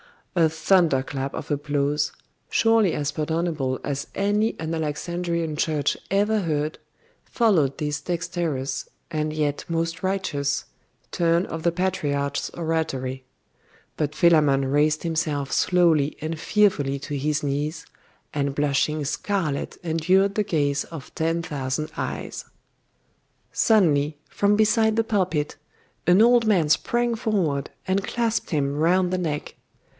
A thunder clap of applause, surely as pardonable as any an Alexandrian church ever heard, followed this dexterous, and yet most righteous, turn of the patriarch's oratory: but Philammon raised himself slowly and fearfully to his knees, and blushing scarlet endured the gaze of ten thousand eyes. Suddenly, from beside the pulpit, an old man sprang forward, and clasped him round the neck.